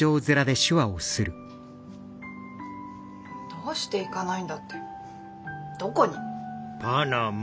どうして行かないんだってどこに？